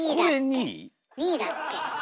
２位だって。